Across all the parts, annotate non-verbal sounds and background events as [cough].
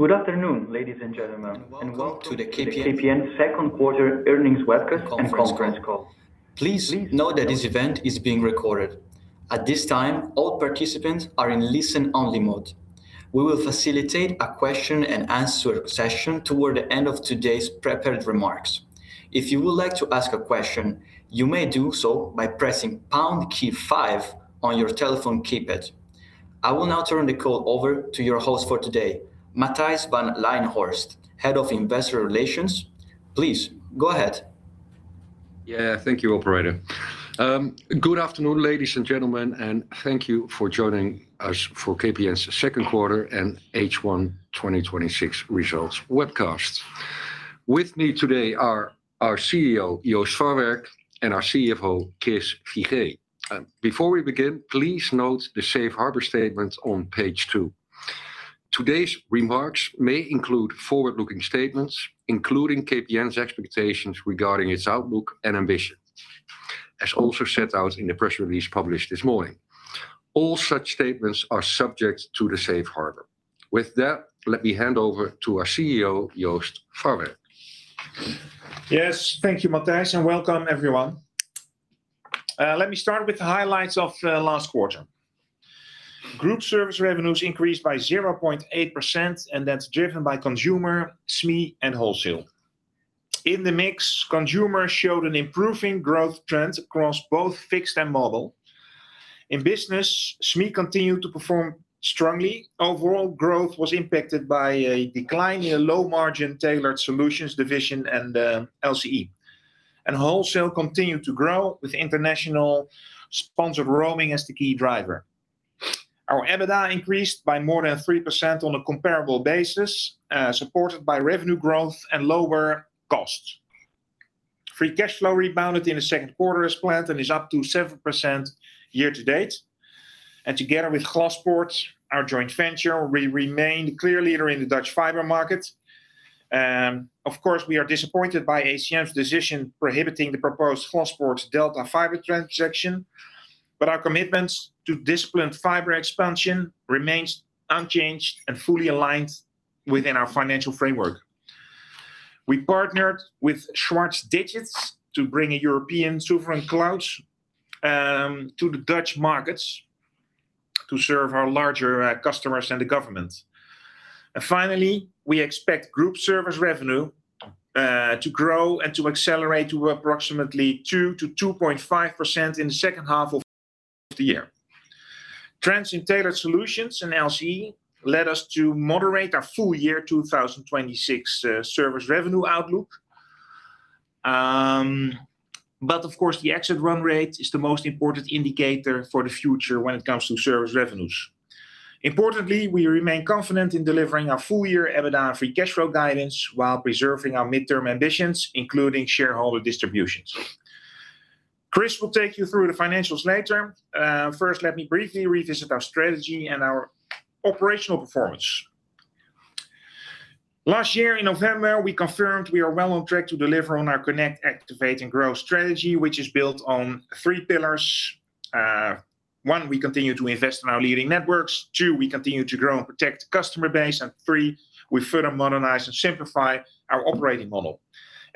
Good afternoon, ladies and gentlemen. Welcome to the KPN Second Quarter Earnings Webcast and Conference Call. Please note that this event is being recorded. At this time, all participants are in listen-only mode. We will facilitate a question and answer session toward the end of today's prepared remarks. If you would like to ask a question, you may do so by pressing pound key five on your telephone keypad. I will now turn the call over to your host for today, Matthijs van Leijenhorst, Head of Investor Relations. Please go ahead. Thank you, operator. Good afternoon, ladies and gentlemen. Thank you for joining us for KPN's second quarter and H1 2026 results webcast. With me today are our CEO, Joost Farwerck, and our CFO, Chris Figee. Before we begin, please note the safe harbor statements on page two. Today's remarks may include forward-looking statements, including KPN's expectations regarding its outlook and ambition, as also set out in the press release published this morning. All such statements are subject to the safe harbor. Let me hand over to our CEO, Joost Farwerck. Thank you, Matthijs. Welcome, everyone. Let me start with the highlights of last quarter. Group service revenues increased by 0.8%. That's driven by consumer, SME, and wholesale. In the mix, consumers showed an improving growth trend across both fixed and mobile. In business, SME continued to perform strongly. Overall growth was impacted by a decline in low-margin Tailored Solutions division and LCE. Wholesale continued to grow with international sponsored roaming as the key driver. Our EBITDA increased by more than 3% on a comparable basis, supported by revenue growth and lower costs. Free cash flow rebounded in the second quarter as planned and is up to 7% year to date. Together with Glaspoort, our joint venture, we remain clear leader in the Dutch fiber market. Of course, we are disappointed by ACM's decision prohibiting the proposed Glaspoort Delta Fiber transaction. Our commitments to disciplined fiber expansion remains unchanged and fully aligned within our financial framework. We partnered with Schwarz Digits to bring a European sovereign cloud to the Dutch markets to serve our larger customers and the government. Finally, we expect group service revenue to grow and to accelerate to approximately 2%-2.5% in the second half of the year. Trends in Tailored Solutions and LCE led us to moderate our full year 2026 service revenue outlook. Of course, the exit run rate is the most important indicator for the future when it comes to service revenues. Importantly, we remain confident in delivering our full-year EBITDA free cash flow guidance while preserving our midterm ambitions, including shareholder distributions. Chris will take you through the financials later. First, let me briefly revisit our strategy and our operational performance. Last year in November, we confirmed we are well on track to deliver on our connect, activate, and grow strategy, which is built on three pillars: One, we continue to invest in our leading networks. Two, we continue to grow and protect customer base. Three, we further modernize and simplify our operating model.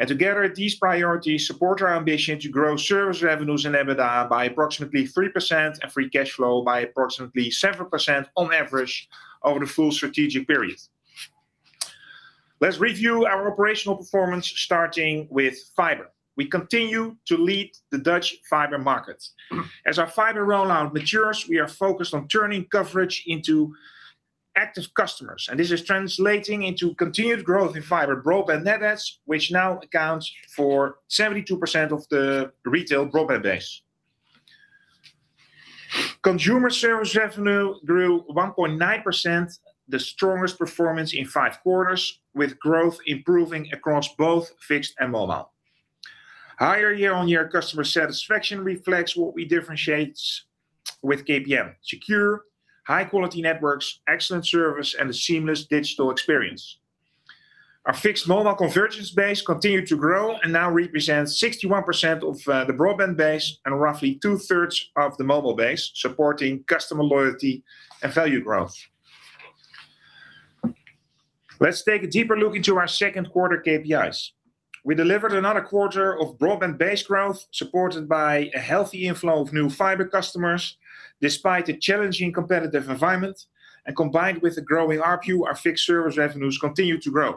Together, these priorities support our ambition to grow service revenues and EBITDA by approximately 3% and free cash flow by approximately 7% on average over the full strategic period. Let's review our operational performance, starting with fiber. We continue to lead the Dutch fiber market. As our fiber rollout matures, we are focused on turning coverage into active customers, and this is translating into continued growth in fiber broadband net adds, which now accounts for 72% of the retail broadband base. Consumer service revenue grew 1.9%, the strongest performance in five quarters, with growth improving across both fixed and mobile. Higher year-on-year customer satisfaction reflects what we differentiate with KPN: secure, high-quality networks, excellent service, and a seamless digital experience. Our fixed mobile convergence base continued to grow and now represents 61% of the broadband base and roughly 2/3 of the mobile base, supporting customer loyalty and value growth. Let's take a deeper look into our second quarter KPIs. We delivered another quarter of broadband base growth, supported by a healthy inflow of new fiber customers, despite a challenging competitive environment. Combined with a growing ARPU, our fixed service revenues continue to grow.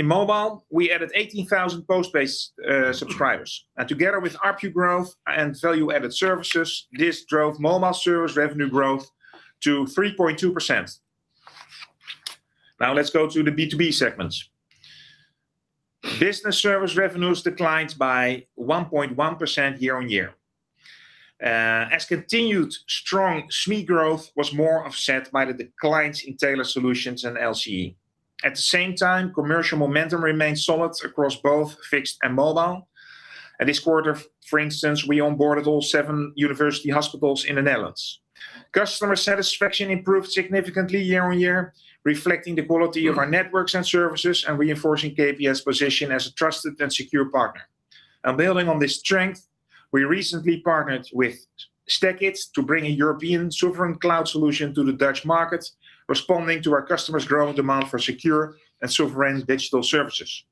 In mobile, we added 18,000 post-paid subscribers. Together with ARPU growth and value-added services, this drove mobile service revenue growth to 3.2%. Now let's go to the B2B segments. Business service revenues declined by 1.1% year-on-year as continued strong SME growth was more offset by the declines in Tailored Solutions and LCE. At the same time, commercial momentum remains solid across both fixed and mobile. This quarter, for instance, we onboarded all seven university hospitals in the Netherlands. Customer satisfaction improved significantly year-on-year, reflecting the quality of our networks and services and reinforcing KPN's position as a trusted and secure partner. Building on this strength, we recently partnered with STACKIT to bring a European sovereign cloud solution to the Dutch market, responding to our customers' growing demand for secure and sovereign digital services.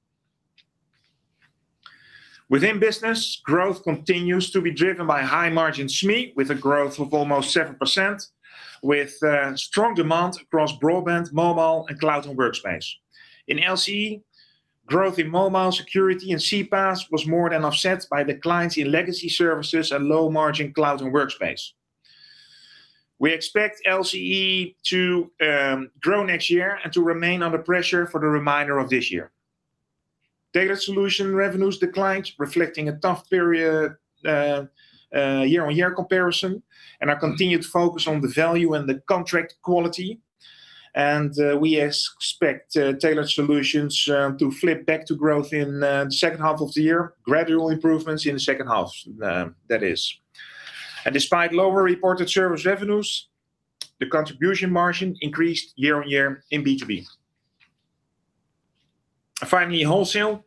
Within business, growth continues to be driven by high margin SME, with a growth of almost 7%, with strong demand across broadband, mobile, and cloud and workspace. In LCE, growth in mobile security and CPaaS was more than offset by declines in legacy services and low margin cloud and workspace. We expect LCE to grow next year and to remain under pressure for the remainder of this year. Tailored Solutions revenues declined, reflecting a tough period year-on-year comparison, and our continued focus on the value and the contract quality. We expect Tailored Solutions to flip back to growth in the second half of the year. Gradual improvements in the second half, that is. Despite lower reported service revenues, the contribution margin increased year-on-year in B2B. Finally, wholesale.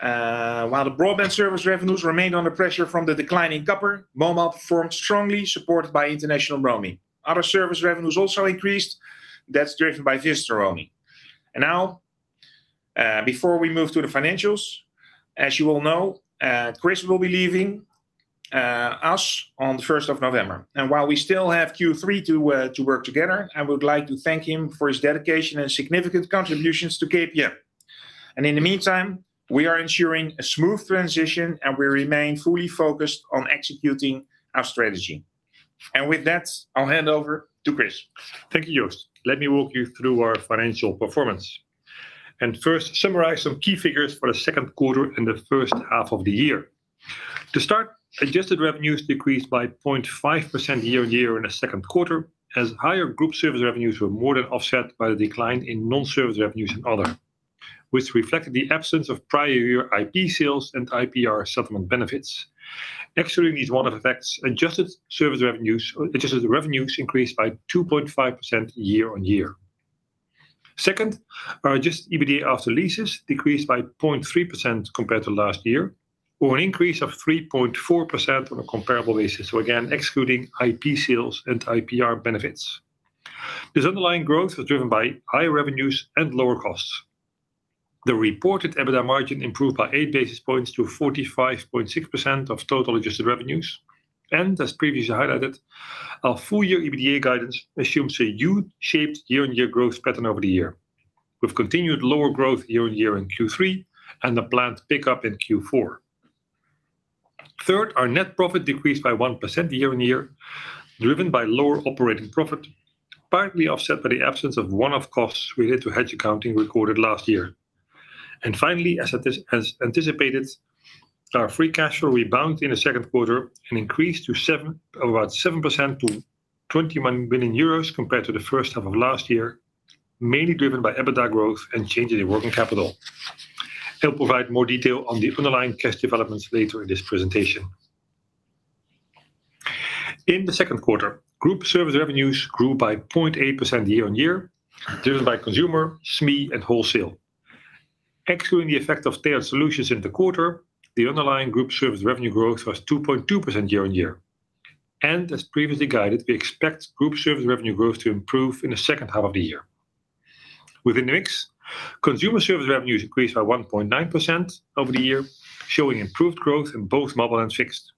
While the broadband service revenues remained under pressure from the decline in copper, mobile performed strongly, supported by international roaming. Other service revenues also increased. That's driven by visitor roaming. Now, before we move to the financials, as you all know, Chris will be leaving us on the 1st of November. While we still have Q3 to work together, I would like to thank him for his dedication and significant contributions to KPN. In the meantime, we are ensuring a smooth transition, and we remain fully focused on executing our strategy. With that, I'll hand over to Chris. Thank you, Joost. Let me walk you through our financial performance, first summarize some key figures for the second quarter and the first half of the year. To start, adjusted revenues decreased by 0.5% year-on-year in the second quarter, as higher group service revenues were more than offset by the decline in non-service revenues and other, which reflected the absence of prior year IP sales and IPR settlement benefits. Excluding these one-off effects, adjusted revenues increased by 2.5% year-on-year. Second, adjusted EBITDA after leases decreased by 0.3% compared to last year, or an increase of 3.4% on a comparable basis. Again, excluding IP sales and IPR benefits. This underlying growth was driven by higher revenues and lower costs. The reported EBITDA margin improved by 8 basis points to 45.6% of total adjusted revenues. As previously highlighted, our full-year EBITDA guidance assumes a U-shaped year-on-year growth pattern over the year, with continued lower growth year-on-year in Q3 and a planned pickup in Q4. Third, our net profit decreased by 1% year-on-year, driven by lower operating profit, partly offset by the absence of one-off costs related to hedge accounting recorded last year. Finally, as anticipated, our free cash flow rebound in the second quarter and increased to about 7% to [audio distortion] EUR 329 billion compared to the first half of last year, mainly driven by EBITDA growth and changes in working capital. I'll provide more detail on the underlying cash developments later in this presentation. In the second quarter, group service revenues grew by 0.8% year-on-year, driven by consumer, SME, and wholesale. Excluding the effect of Tailored Solutions in the quarter, the underlying group service revenue growth was 2.2% year-on-year. As previously guided, we expect group service revenue growth to improve in the second half of the year. Within the mix, consumer service revenues increased by 1.9% over the year, showing improved growth in both mobile and fixed.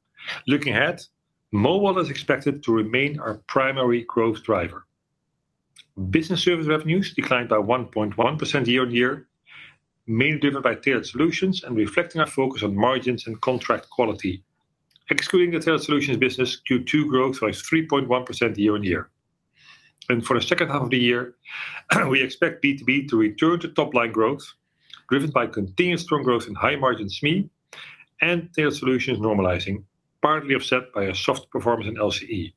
Looking ahead, mobile is expected to remain our primary growth driver. Business service revenues declined by 1.1% year-on-year, mainly driven by Tailored Solutions and reflecting our focus on margins and contract quality. Excluding the Tailored Solutions business, Q2 growth was 3.1% year-on-year. For the second half of the year, we expect B2B to return to top line growth, driven by continued strong growth in high margin SME and Tailored Solutions normalizing, partly offset by a softer performance in LCE.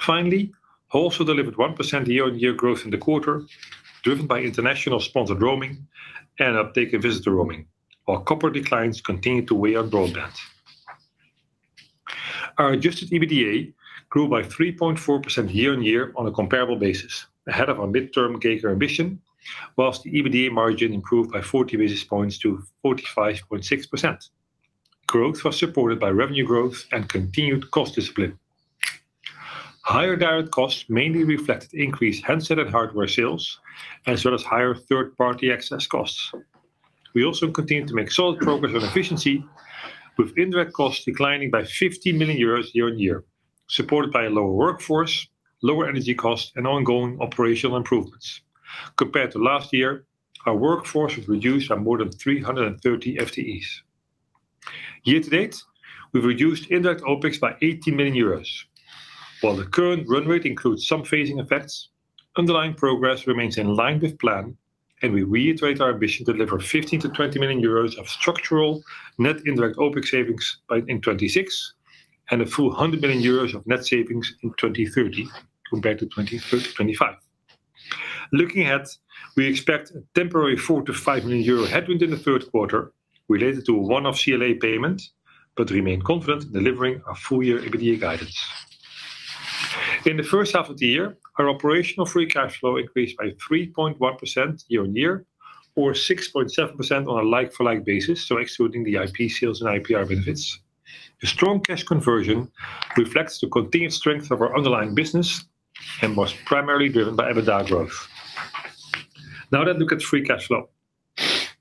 Finally, wholesale delivered 1% year-on-year growth in the quarter, driven by international sponsored roaming and uptake in visitor roaming, while copper declines continued to weigh on broadband. Our adjusted EBITDA grew by 3.4% year-on-year on a comparable basis, ahead of our midterm K-curve ambition, whilst the EBITDA margin improved by 40 basis points to 45.6%. Growth was supported by revenue growth and continued cost discipline. Higher direct costs mainly reflected increased handset and hardware sales, as well as higher third-party access costs. We also continued to make solid progress on efficiency, with indirect costs declining by 50 million euros year-on-year, supported by a lower workforce, lower energy costs, and ongoing operational improvements. Compared to last year, our workforce was reduced by more than 330 FTEs. Year to date, we've reduced indirect OpEx by 80 million euros. While the current run rate includes some phasing effects, underlying progress remains in line with plan. We reiterate our ambition to deliver 15 million-20 million euros of structural net indirect OpEx savings by 2026, and a full 100 million euros of net savings in 2030 compared to 2025. Looking ahead, we expect a temporary 4 million-5 million euro headwind in the third quarter related to a one-off CLA payment, but remain confident in delivering our full-year EBITDA guidance. In the first half of the year, our operational free cash flow increased by 3.1% year-on-year or 6.7% on a like-for-like basis, so excluding the IP sales and IPR benefits. The strong cash conversion reflects the continued strength of our underlying business and was primarily driven by EBITDA growth. Let's look at free cash flow.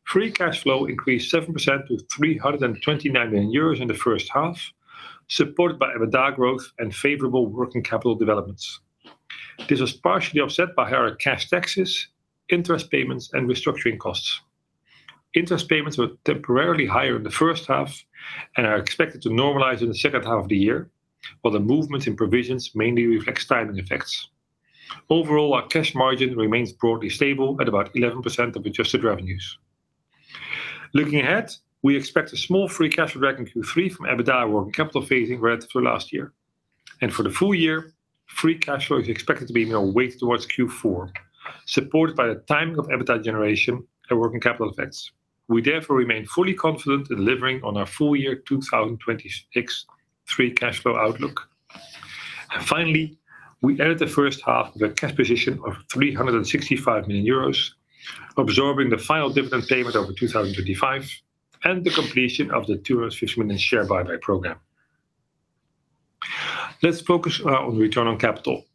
Free cash flow increased 7% to 329 million euros in the first half, supported by EBITDA growth and favorable working capital developments. This was partially offset by higher cash taxes, interest payments, and restructuring costs. Interest payments were temporarily higher in the first half and are expected to normalize in the second half of the year, while the movement in provisions mainly reflects timing effects. Overall, our cash margin remains broadly stable at about 11% of adjusted revenues. Looking ahead, we expect a small free cash flow drag in Q3 from EBITDA working capital phasing relative to last year. For the full year, free cash flow is expected to be more weighted towards Q4, supported by the timing of EBITDA generation and working capital effects. We therefore remain fully confident in delivering on our full-year 2026 free cash flow outlook. Finally, we ended the first half with a cash position of 365 million euros, absorbing the final dividend payment over 2025 and the completion of the 250 million share buyback program. Let's focus on return on capital.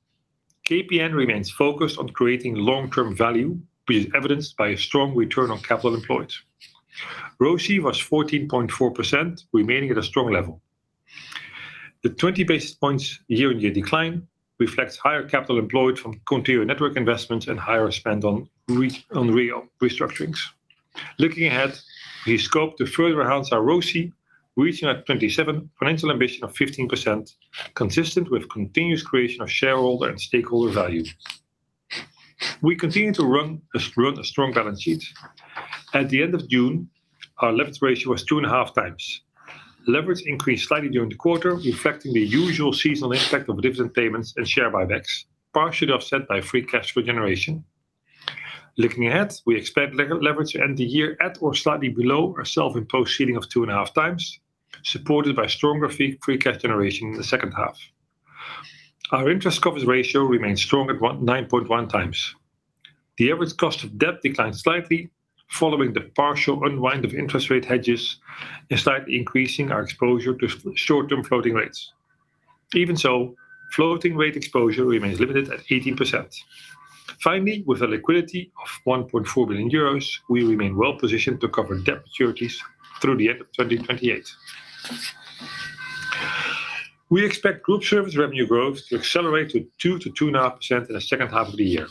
KPN remains focused on creating long-term value, evidenced by a strong return on capital employed. ROCE was 14.4%, remaining at a strong level. The 20 basis points year-on-year decline reflects higher capital employed from continued network investments and higher spend on real restructurings. Looking ahead, we scope to further enhance our ROCE, reaching our 2027 financial ambition of 15%, consistent with continuous creation of shareholder and stakeholder value. We continue to run a strong balance sheet. At the end of June, our leverage ratio was 2.5x. Leverage increased slightly during the quarter, reflecting the usual seasonal impact of dividend payments and share buybacks, partially offset by free cash flow generation. Looking ahead, we expect leverage to end the year at or slightly below our self-imposed ceiling of 2.5x, supported by stronger free cash generation in the second half. Our interest coverage ratio remains strong at 9.1x. The average cost of debt declined slightly following the partial unwind of interest rate hedges, slightly increasing our exposure to short-term floating rates. Even so, floating rate exposure remains limited at 18%. Finally, with a liquidity of 1.4 billion euros, we remain well-positioned to cover debt maturities through the end of 2028. We expect group service revenue growth to accelerate to 2%-2.5% in the second half of the year.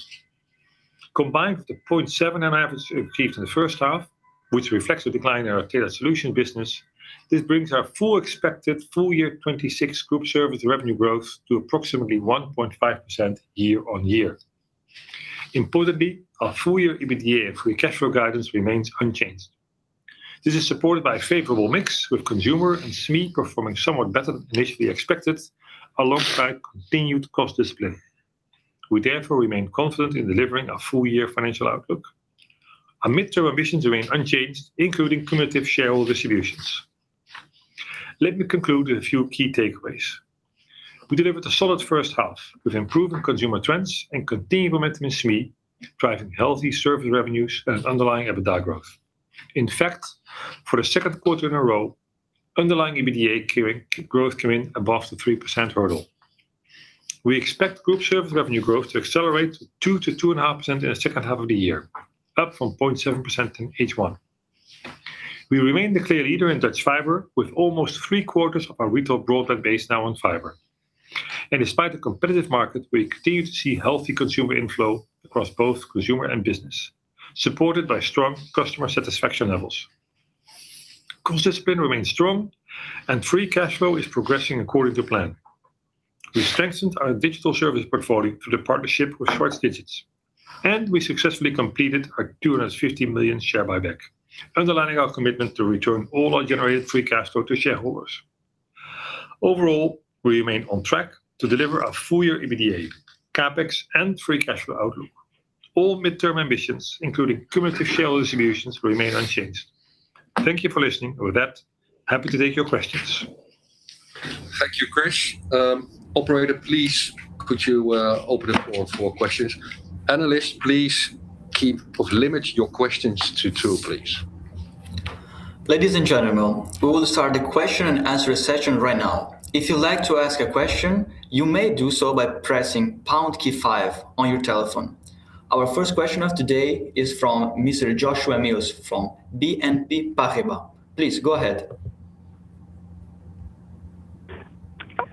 Combined with the 0.75% achieved in the first half, which reflects the decline in our Tailored Solutions business, this brings our full expected FY 2026 group service revenue growth to approximately 1.5% year-over-year. Importantly, our full-year EBITDA free cash flow guidance remains unchanged. This is supported by a favorable mix with Consumer and SME performing somewhat better than initially expected, alongside continued cost discipline. We therefore remain confident in delivering our full-year financial outlook. Our midterm emissions remain unchanged, including cumulative share distributions. Let me conclude with a few key takeaways. We delivered a solid first half with improving consumer trends and continued momentum in SME, driving healthy service revenues and underlying EBITDA growth. In fact, for the second quarter in a row, underlying EBITDA growth came in above the 3% hurdle. We expect group service revenue growth to accelerate 2%-2.5% in the second half of the year, up from 0.7% in H1. We remain the clear leader in Dutch fiber, with almost three quarters of our retail broadband base now on fiber. Despite the competitive market, we continue to see healthy consumer inflow across both consumer and business, supported by strong customer satisfaction levels. Cost discipline remains strong, free cash flow is progressing according to plan. We strengthened our digital service portfolio through the partnership with Schwarz Digits, we successfully completed our 250 million share buyback, underlining our commitment to return all our generated free cash flow to shareholders. Overall, we remain on track to deliver our full-year EBITDA, CapEx, and free cash flow outlook. All midterm ambitions, including cumulative share distributions, remain unchanged. Thank you for listening. With that, happy to take your questions. Thank you, Chris. Operator, please could you open the floor for questions? Analysts, please limit your questions to two, please. Ladies and gentlemen, we will start the question and answer session right now. If you would like to ask a question, you may do so by pressing pound key five on your telephone. Our first question of today is from Mr. Joshua Mills from BNP Paribas. Please go ahead.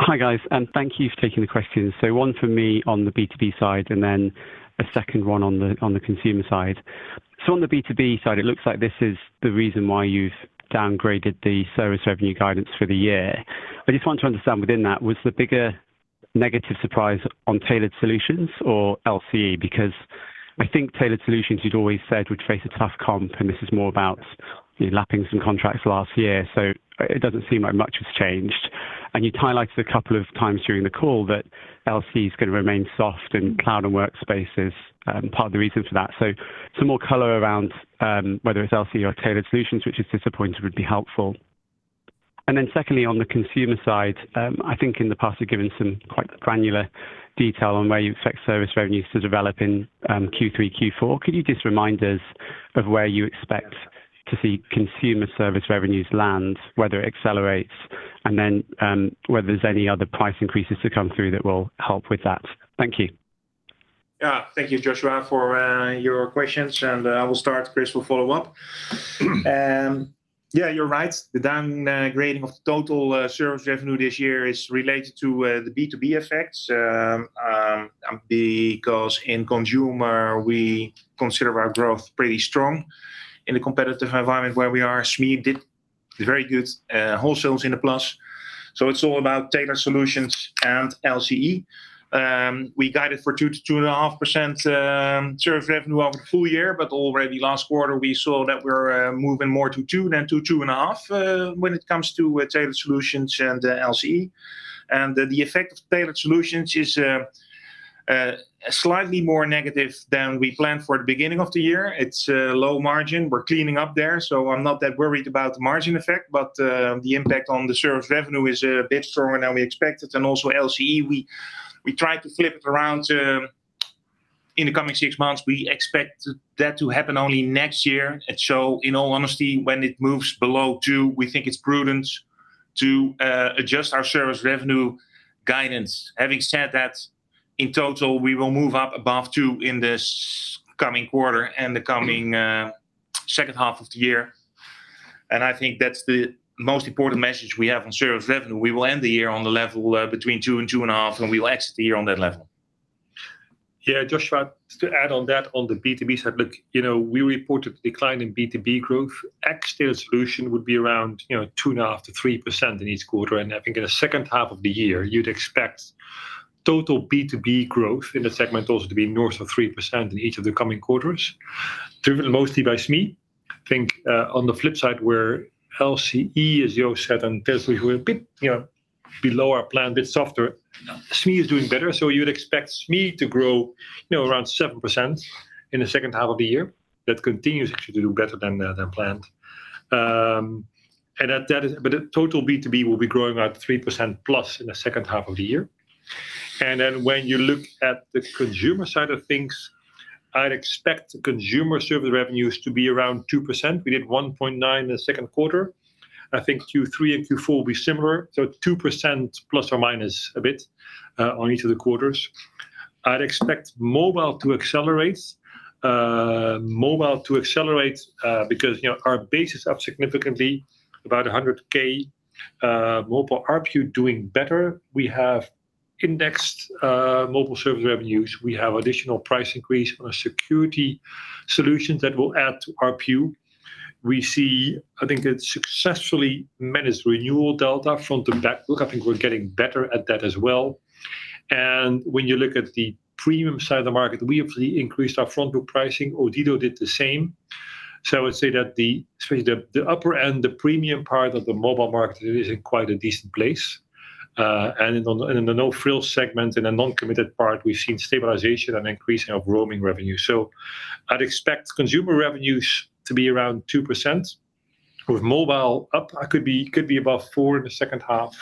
Hi, guys. Thank you for taking the questions. One from me on the B2B side, then a second one on the consumer side. On the B2B side, it looks like this is the reason why you have downgraded the service revenue guidance for the year. I just want to understand within that, was the bigger negative surprise on Tailored Solutions or LCE? Because I think Tailored Solutions you had always said would face a tough comp, and this is more about the lappings and contracts last year. It does not seem like much has changed. You highlighted a couple of times during the call that LCE is going to remain soft in cloud and workspaces, part of the reason for that. Some more color around whether it is LCE or Tailored Solutions which is disappointing would be helpful. Secondly, on the consumer side, I think in the past you have given some quite granular detail on where you expect service revenues to develop in Q3, Q4. Could you just remind us of where you expect to see consumer service revenues land, whether it accelerates, and then whether there is any other price increases to come through that will help with that? Thank you. Thank you, Joshua, for your questions. I will start. Chris will follow up. You are right. The downgrading of total service revenue this year is related to the B2B effects. In consumer, we consider our growth pretty strong in the competitive environment where we are. SME did very good. Wholesale is in the plus. It is all about Tailored Solutions and LCE. We guided for 2%-2.5% service revenue on full year, already last quarter, we saw that we are moving more to 2% than to 2.5% when it comes to Tailored Solutions and LCE. The effect of Tailored Solutions is slightly more negative than we planned for the beginning of the year. It is low margin. We are cleaning up there, so I am not that worried about the margin effect. The impact on the service revenue is a bit stronger than we expected. LCE, we tried to flip it around in the coming six months. We expect that to happen only next year. In all honesty, when it moves below 2%, we think it's prudent to adjust our service revenue guidance. Having said that, in total, we will move up above 2% in this coming quarter and the coming second half of the year. I think that's the most important message we have on service revenue. We will end the year on the level between 2% and 2.5%, and we will exit the year on that level. Joshua, to add on that on the B2B side, look, we reported declining B2B growth. X-Tailored Solutions would be around 2.5%-3% in each quarter. I think in the second half of the year, you'd expect total B2B growth in the segment also to be north of 3% in each of the coming quarters, driven mostly by SME. On the flip side, where LCE is 0.7%, Tailored Solutions are a bit below our plan, a bit softer. SME is doing better, so you'd expect SME to grow around 7% in the second half of the year. That continues actually to do better than planned. Total B2B will be growing about 3%+ in the second half of the year. When you look at the consumer side of things, I'd expect consumer service revenues to be around 2%. We did 1.9% in the second quarter. Q3 and Q4 will be similar, so 2% ± a bit on each of the quarters. I'd expect mobile to accelerate because our base is up significantly, about 100,000 mobile ARPU doing better. We have indexed mobile service revenues. We have additional price increase on our security solutions that will add to ARPU. I think that successfully managed renewal delta front to back. I think we're getting better at that as well. When you look at the premium side of the market, we obviously increased our front book pricing. Odido did the same. I would say that the upper end, the premium part of the mobile market is in quite a decent place. In the no-frills segment, in the non-committed part, we've seen stabilization and increasing of roaming revenue. I'd expect consumer revenues to be around 2% with mobile up. It could be above 4% in the second half.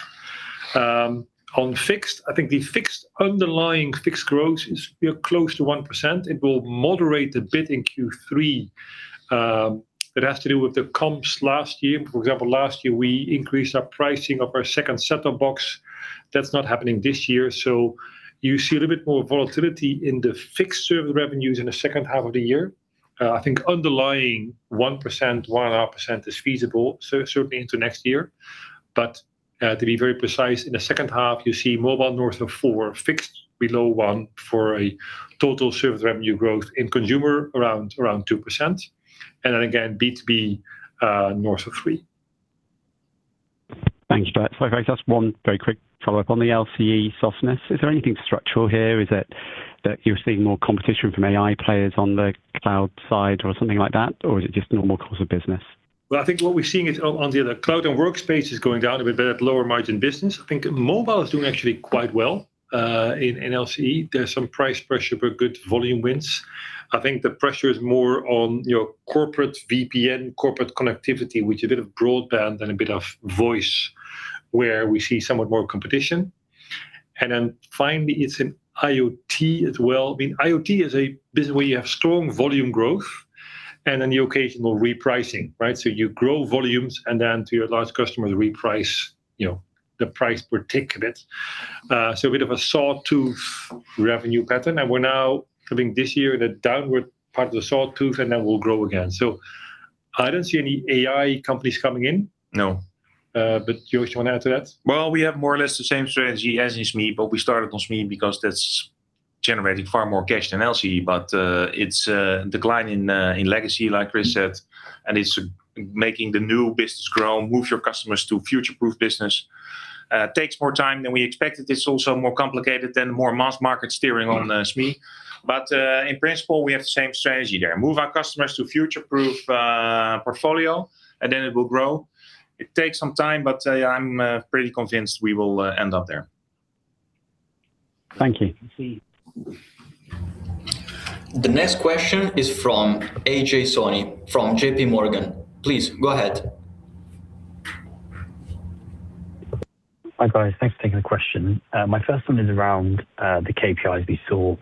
On fixed, the underlying fixed growth is close to 1%. It will moderate a bit in Q3. It has to do with the comps last year. For example, last year, we increased our pricing of our second set-top box. That's not happening this year. You see a little bit more volatility in the fixed service revenues in the second half of the year. Underlying 1%-1.5% is feasible certainly into next year. To be very precise, in the second half, you see mobile north of 4%, fixed below 1% for a total service revenue growth in consumer around 2%. Again, B2B, north of 3%. Thank you. Sorry, guys, just one very quick follow-up on the LCE softness. Is there anything structural here? Is it that you're seeing more competition from AI players on the cloud side or something like that? Or is it just normal course of business? Well, I think what we're seeing is on the other cloud and workspace is going down a bit, but they're lower margin business. I think mobile is doing actually quite well in LCE. There's some price pressure, but good volume wins. I think the pressure is more on corporate VPN, corporate connectivity, which a bit of broadband and a bit of voice where we see somewhat more competition. Finally, it's in IoT as well. I mean, IoT is a business where you have strong volume growth and then the occasional repricing, right? You grow volumes to your large customers, reprice the price per tick a bit. A bit of a sawtooth revenue pattern, we're now coming this year in the downward part of the sawtooth, we'll grow again. I don't see any AI companies coming in. No. Joost, you want to add to that? Well, we have more or less the same strategy as in SME. We started on SME because that's generating far more cash than LCE. It's a decline in legacy, like Chris said, and it's making the new business grow, move your customers to future-proof business. Takes more time than we expected. It's also more complicated than more mass market steering on SME. In principle, we have the same strategy there. Move our customers to future-proof portfolio, it will grow. It takes some time, but yeah, I'm pretty convinced we will end up there. Thank you. The next question is from Ajay Soni from JPMorgan. Please go ahead. Hi, guys. Thanks for taking the question. My first one is around the KPIs we saw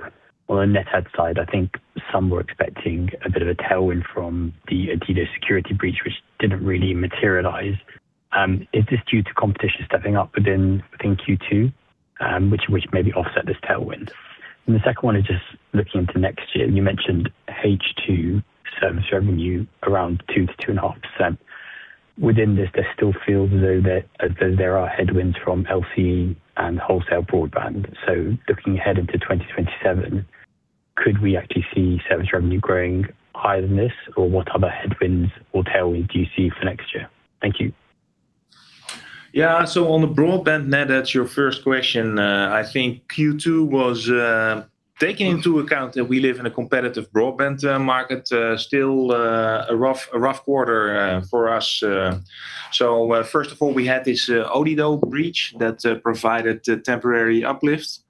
on the net add side. I think some were expecting a bit of a tailwind from the Odido security breach, which didn't really materialize. Is this due to competition stepping up within Q2 which maybe offset this tailwind? The second one is just looking into next year. You mentioned H2 service revenue around 2%-2.5%. Within this, there still feels as though there are headwinds from LCE and wholesale broadband. Looking ahead into 2027, could we actually see service revenue growing higher than this? What other headwinds or tailwind do you see for next year? Thank you. Yeah. On the broadband net adds, your first question, I think Q2 was, taking into account that we live in a competitive broadband market, still a rough quarter for us. First of all, we had this Odido breach that provided temporary uplift.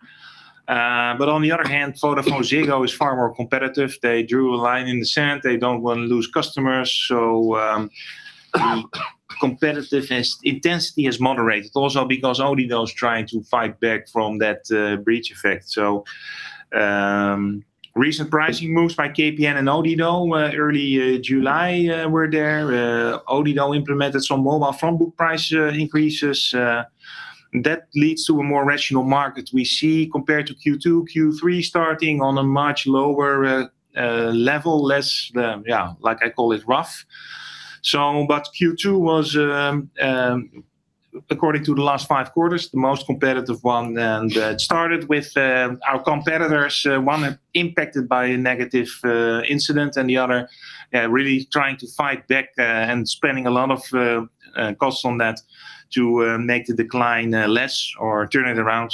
On the other hand, VodafoneZiggo is far more competitive. They drew a line in the sand. They don't want to lose customers. The competitiveness intensity has moderated also because Odido's trying to fight back from that breach effect. Recent pricing moves by KPN and Odido, early July were there. Odido implemented some mobile front book price increases. That leads to a more rational market we see compared to Q2, Q3 starting on a much lower level, less, like I call it, rough. Q2 was, according to the last five quarters, the most competitive one. It started with our competitors, one impacted by a negative incident and the other really trying to fight back and spending a lot of costs on that to make the decline less or turn it around.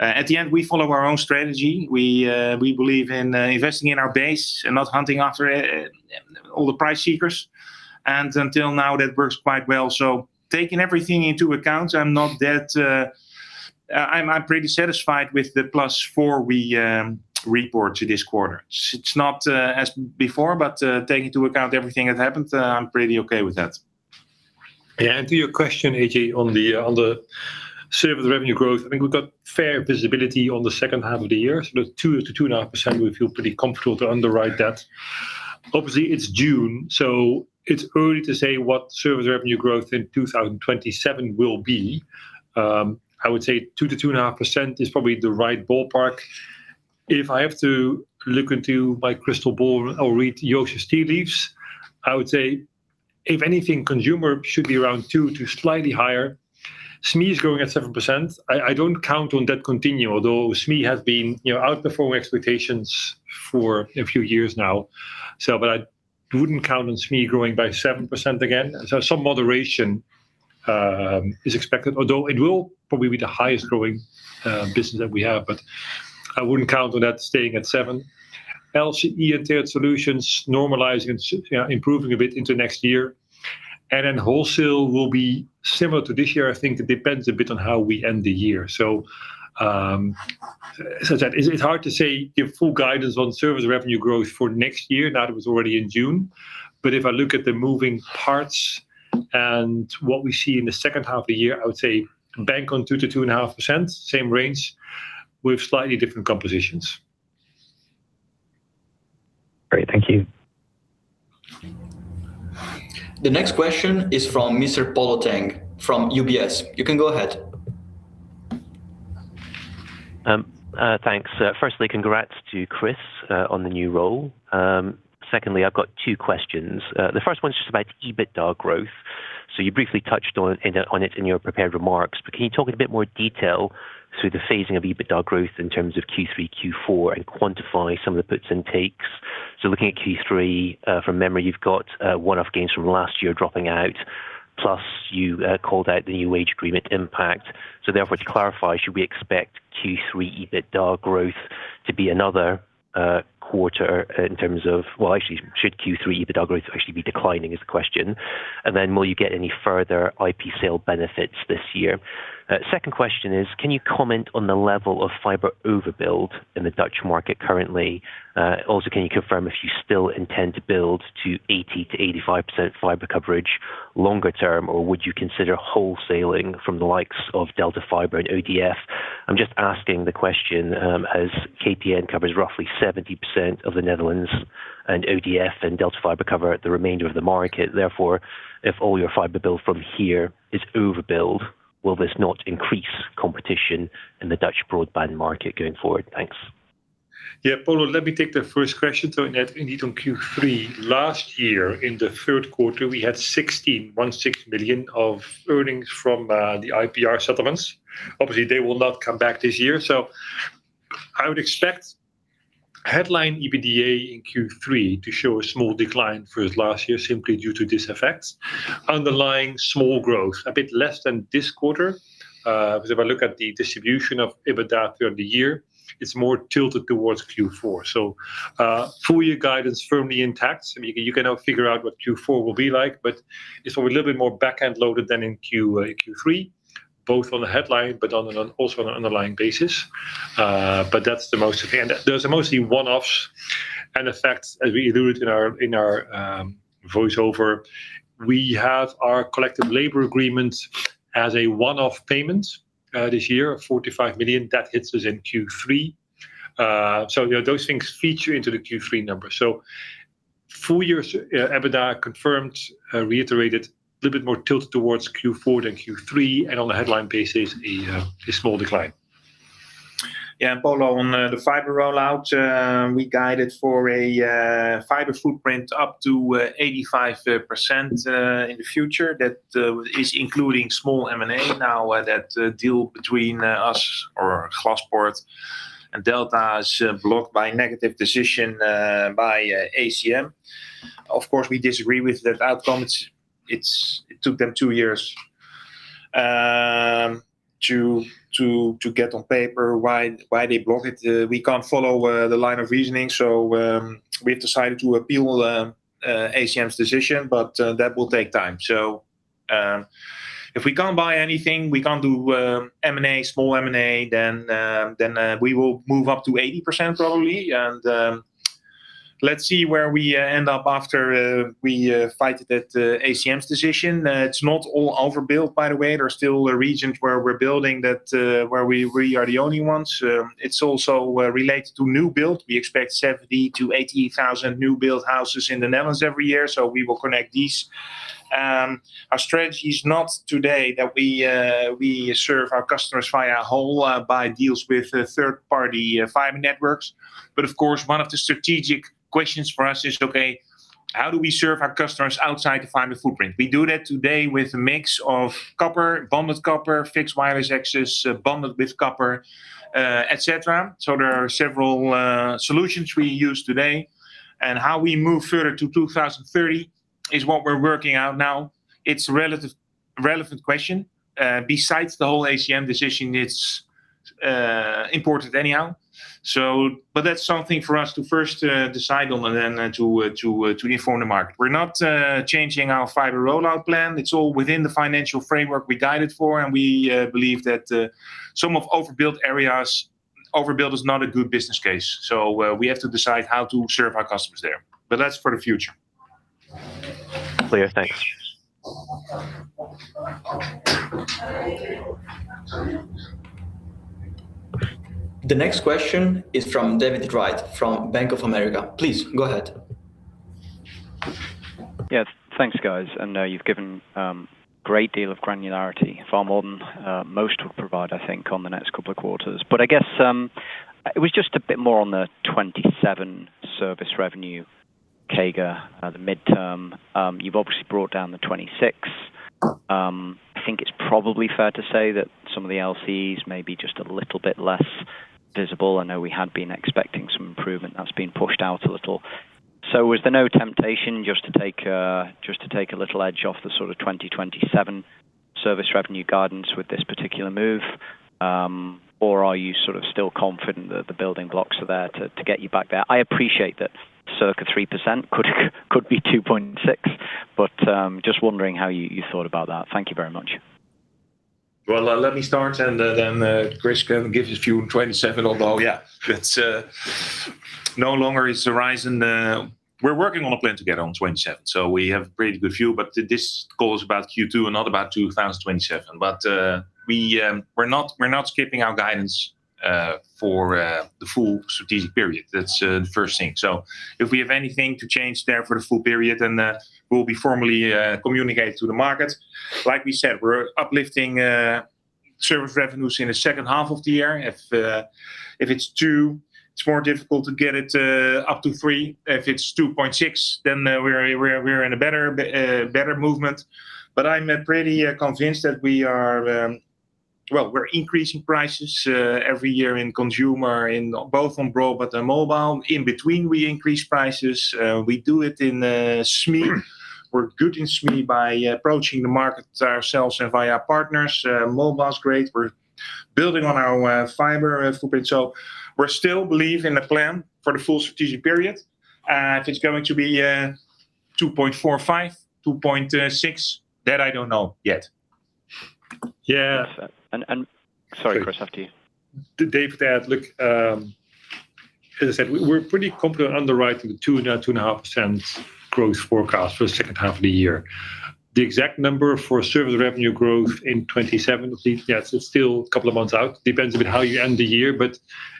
At the end, we follow our own strategy. We believe in investing in our base and not hunting after all the price seekers. Until now, that works quite well. Taking everything into account, I'm pretty satisfied with the plus four we report to this quarter. It's not as before, but taking into account everything that happened, I'm pretty okay with that. To your question, Ajay, on the service revenue growth, I think we've got fair visibility on the second half of the year. The 2%-2.5%, we feel pretty comfortable to underwrite that. Obviously, it's June, so it's early to say what service revenue growth in 2027 will be. I would say 2%-2.5% is probably the right ballpark. If I have to look into my crystal ball or read Joost's tea leaves, I would say, if anything, consumer should be around two to slightly higher. SME is growing at 7%. I don't count on that continue, although SME has been outperforming expectations for a few years now. I wouldn't count on SME growing by 7% again. Some moderation is expected, although it will probably be the highest growing business that we have. I wouldn't count on that staying at 7%. LCE and Tailored Solutions normalizing and improving a bit into next year. Wholesale will be similar to this year. I think it depends a bit on how we end the year. As I said, it's hard to say, give full guidance on service revenue growth for next year. That was already in June. If I look at the moving parts and what we see in the second half of the year, I would say bank on 2%-2.5%, same range with slightly different compositions. Great. Thank you. The next question is from Mr. Polo Tang from UBS. You can go ahead. Thanks. Firstly, congrats to Chris on the new role. Secondly, I've got two questions. The first one is just about EBITDA growth. You briefly touched on it in your prepared remarks, but can you talk in a bit more detail through the phasing of EBITDA growth in terms of Q3, Q4, and quantify some of the puts and takes? Looking at Q3, from memory, you've got one-off gains from last year dropping out, plus you called out the new wage agreement impact. Therefore, to clarify, should we expect Q3 EBITDA growth to be another quarter in terms of actually, should Q3 EBITDA growth actually be declining, is the question. Will you get any further IP sale benefits this year? Second question is, can you comment on the level of fiber overbuild in the Dutch market currently? Can you confirm if you still intend to build to 80%-85% fiber coverage longer term, or would you consider wholesaling from the likes of Delta Fiber and ODF? I'm just asking the question, as KPN covers roughly 70% of the Netherlands and ODF and Delta Fiber cover the remainder of the market. If all your fiber build from here is overbuild, will this not increase competition in the Dutch broadband market going forward? Thanks. Yeah. Polo, let me take the first question. Indeed on Q3 last year, in the third quarter, we had 16 million of earnings from the IPR settlements. Obviously, they will not come back this year. I would expect headline EBITDA in Q3 to show a small decline versus last year, simply due to this effect. Underlying small growth, a bit less than this quarter. If I look at the distribution of EBITDA through the year It's more tilted towards Q4. Full year guidance firmly intact. I mean, you can now figure out what Q4 will be like, but it's a little bit more back-end loaded than in Q3, both on the headline, also on an underlying basis. Those are mostly one-offs and effects as we allude in our voiceover. We have our Collective Labor Agreement as a one-off payment this year, 45 million. That hits us in Q3. Those things feature into the Q3 numbers. Full year's EBITDA confirmed, reiterated, a little bit more tilt towards Q4 than Q3, and on a headline basis, a small decline. Polo, on the fiber rollout, we guided for a fiber footprint up to 85% in the future. That is including small M&A. That deal between us or Glaspoort and Delta Fiber is blocked by negative decision by ACM. Of course, we disagree with that outcome. It took them two years to get on paper why they block it. We cannot follow the line of reasoning. We have decided to appeal ACM's decision, but that will take time. If we cannot buy anything, we cannot do small M&A, we will move up to 80% probably, and let us see where we end up after we fight that ACM's decision. It is not all overbuilt, by the way. There are still regions where we are building that where we are the only ones. It is also related to new build. We expect 70,000 to 80,000 new build houses in the Netherlands every year. We will connect these. Our strategy is not today that we serve our customers via wholesale deals with third-party fiber networks. Of course, one of the strategic questions for us is, okay, how do we serve our customers outside the fiber footprint? We do that today with a mix of copper, bonded copper, fixed wireless access, bonded with copper, et cetera. There are several solutions we use today, and how we move further to 2030 is what we are working out now. It is relevant question. Besides the whole ACM decision, it is important anyhow. That is something for us to first decide on and then to inform the market. We are not changing our fiber rollout plan. It is all within the financial framework we guided for, and we believe that some of overbuilt areas, overbuilt is not a good business case. We have to decide how to serve our customers there. That is for the future. Clear. Thanks. The next question is from David Wright from Bank of America. Please go ahead. Yes. Thanks, guys. You've given great deal of granularity, far more than most would provide, I think, on the next couple of quarters. I guess, it was just a bit more on the 2027 service revenue CAGR, the midterm. You've obviously brought down the 2026. I think it's probably fair to say that some of the LCEs may be just a little bit less visible. I know we had been expecting some improvement. That's been pushed out a little. Was there no temptation just to take a little edge off the sort of 2027 service revenue guidance with this particular move? Or are you sort of still confident that the building blocks are there to get you back there? I appreciate that circa 3% could be 2.6%, but just wondering how you thought about that. Thank you very much. Let me start. Chris can give his view on 2027, although. It's no longer his horizon. We're working on a plan to get on 2027. We have pretty good view, but this call is about Q2 and not about 2027. We're not skipping our guidance for the full strategic period. That's the first thing. If we have anything to change there for the full period, we'll be formally communicating to the market. Like we said, we're uplifting service revenues in the second half of the year. If it's 2%, it's more difficult to get it up to 3%. If it's 2.6%, we're in a better movement. I'm pretty convinced that we are. We're increasing prices every year in consumer, both on broadband and mobile. In between, we increase prices. We do it in SME. We're good in SME by approaching the markets ourselves and via partners. Mobile's great. We're building on our fiber footprint. We still believe in the plan for the full strategic period. If it's going to be 2.45%, 2.6%, that I don't know yet. Sorry, Chris, after you. David, look, as I said, we're pretty confident underwriting the 2.5% growth forecast for the second half of the year. The exact number for service revenue growth in 2027, I believe, yeah, it's still a couple of months out. Depends a bit how you end the year, but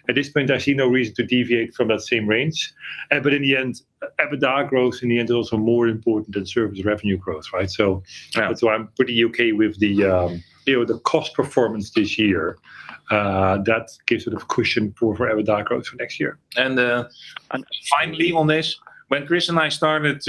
at this point, I see no reason to deviate from that same range. In the end, EBITDA growth in the end is also more important than service revenue growth, right? Yeah. I'm pretty okay with the cost performance this year. That gives a cushion for EBITDA growth for next year. Finally on this, when Chris and I started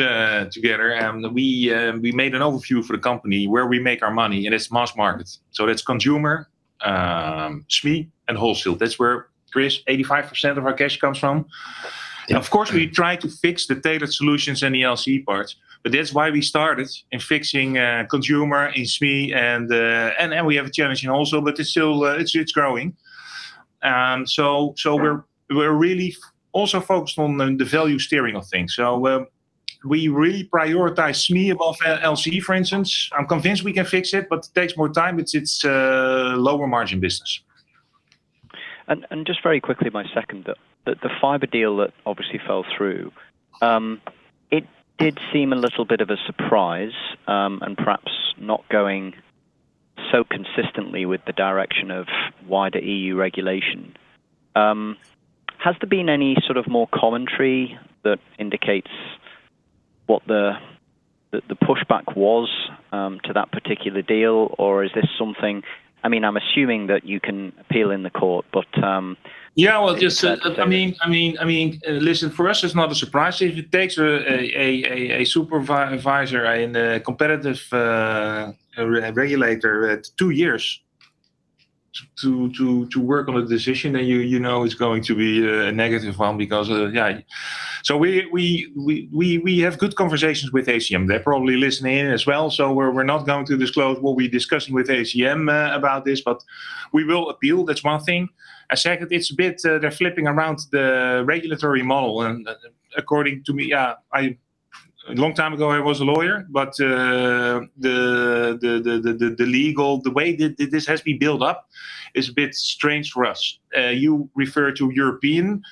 together, we made an overview for the company where we make our money, and it's mass market. It's consumer, SME, and wholesale. That's where, Chris, 85% of our cash comes from. Of course, we try to fix the data solutions and the LCE parts, but that's why we started in fixing consumer, SME, and we have a challenge in also, but it's growing. We're really also focused on the value steering of things. We really prioritize SME above LCE, for instance. I'm convinced we can fix it, but it takes more time. It's a lower margin business. Just very quickly, my second thought. The fiber deal that obviously fell through, it did seem a little bit of a surprise, and perhaps not going so consistently with the direction of wider EU regulation. Has there been any sort of more commentary that indicates what the pushback was to that particular deal? Or is this something I'm assuming that you can appeal in the court? Yeah. Well, listen, for us, it is not a surprise. If it takes a supervisor and a competitive regulator two years to work on a decision that you know is going to be a negative one because of [AI]. We have good conversations with ACM. They are probably listening in as well, so we are not going to disclose what we are discussing with ACM about this. We will appeal. That is one thing. The second, it is a bit, they are flipping around the regulatory model. According to me, a long time ago, I was a lawyer, but the way this has been built up is a bit strange for us. You refer to European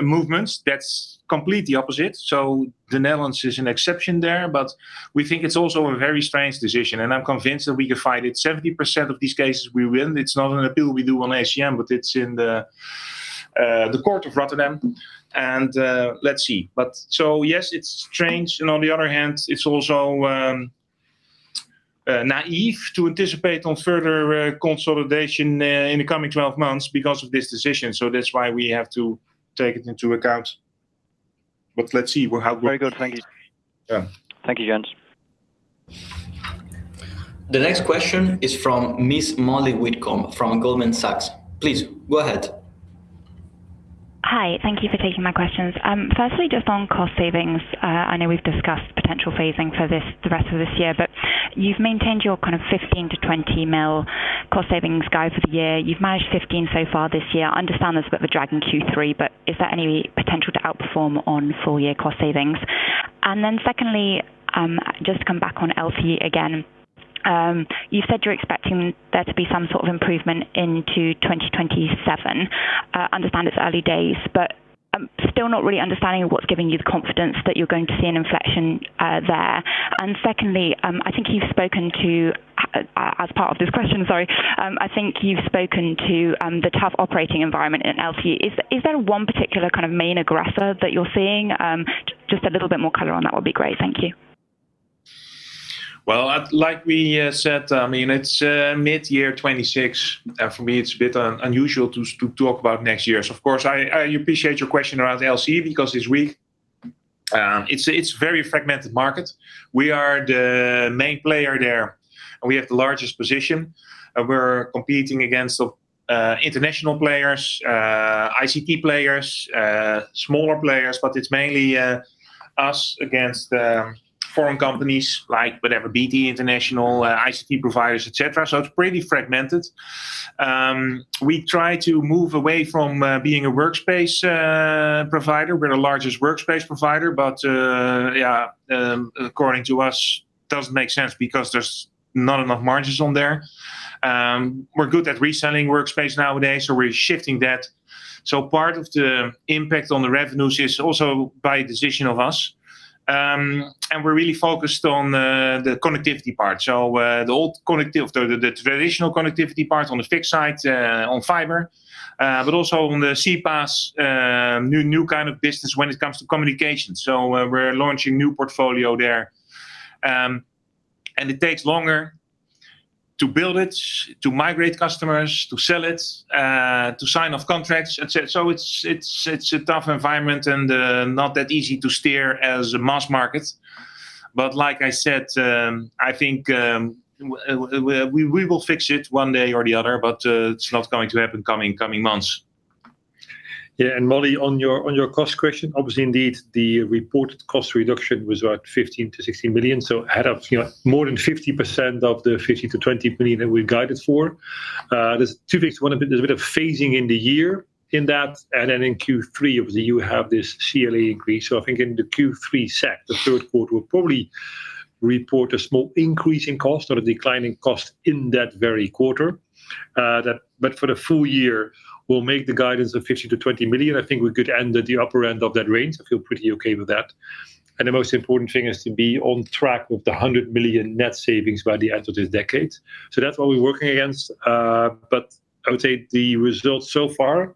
movements. That is completely opposite. The Netherlands is an exception there, but we think it is also a very strange decision, and I am convinced that we can fight it. 70% of these cases, we win. It is not an appeal we do on ACM, but it is in the court of Rotterdam. Let us see. Yes, it is strange, and on the other hand, it is also naïve to anticipate on further consolidation in the coming 12 months because of this decision. That is why we have to take it into account. Let us see, what happens. Very good. Thank you. Yeah. Thank you, Joost. The next question is from Ms. Molly Whitcomb from Goldman Sachs. Please go ahead. Hi. Thank you for taking my questions. Firstly, just on cost savings. I know we've discussed potential phasing for the rest of this year, but you've maintained your kind of 15 million-20 million cost savings guide for the year. You've managed 15 million so far this year. I understand there's a bit of a drag in Q3, but is there any potential to outperform on full-year cost savings? Secondly, just to come back on LCE again. You said you're expecting there to be some sort of improvement into 2027. I understand it's early days, but I'm still not really understanding what's giving you the confidence that you're going to see an inflection there. Secondly, I think you've spoken to, as part of this question, sorry, I think you've spoken to the tough operating environment in LCE. Is there one particular kind of main aggressor that you're seeing? Just a little bit more color on that would be great. Thank you. Well, like we said, it's mid-year 2026. For me, it's a bit unusual to talk about next year. Of course, I appreciate your question around LCE because it's very fragmented market. We are the main player there, and we have the largest position. We're competing against international players, ICT players, smaller players, but it's mainly us against foreign companies like whatever, BT International, ICT providers, et cetera. It's pretty fragmented. We try to move away from being a workspace provider. We're the largest workspace provider. According to us, doesn't make sense because there's not enough margins on there. We're good at reselling workspace nowadays, so we're shifting that. Part of the impact on the revenues is also by decision of us. We're really focused on the connectivity part. The old connectivity, the traditional connectivity part on the fixed side, on fiber, but also on the CPaaS, new kind of business when it comes to communications. We're launching new portfolio there. It takes longer to build it, to migrate customers, to sell it, to sign off contracts, et cetera. It's a tough environment and not that easy to steer as mass market. Like I said, I think we will fix it one day or the other, but it's not going to happen coming months. Yeah. Molly, on your cost question, obviously, indeed, the reported cost reduction was about 15 million-16 million. Ahead of more than 50% of the 15 million-20 million that we guided for. There's two things. One, there's a bit of phasing in the year in that, and then in Q3, obviously, you have this CLA increase. I think in the Q3 set, the third quarter will probably report a small increase in cost or a decline in cost in that very quarter. For the full year, we'll make the guidance of 15 million-20 million. I think we could end at the upper end of that range. I feel pretty okay with that. The most important thing is to be on track with the 100 million net savings by the end of this decade. That's what we're working against. I would say the results so far,